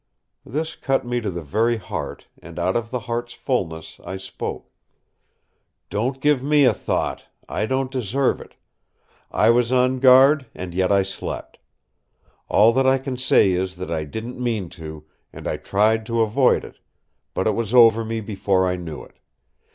This cut me to the very heart, and out of the heart's fulness I spoke: "Don't give me a thought! I don't deserve it. I was on guard, and yet I slept. All that I can say is that I didn't mean to, and I tried to avoid it; but it was over me before I knew it.